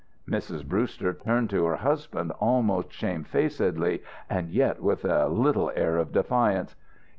Mrs Brewster turned to her husband, almost shamefacedly, and yet with a little air of defiance.